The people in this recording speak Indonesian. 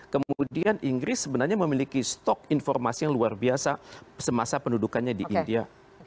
kemudian inggris sebenarnya memiliki stok informasi yang luar biasa semasa pendudukannya di india